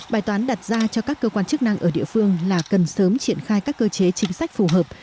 bài toán đặt ra cho các cơ quan chức năng ở địa phương là cần sớm triển khai các cơ chế chính sách phù hợp